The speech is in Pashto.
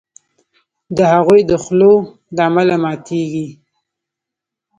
د هغوی د خولو له امله ماتیږي.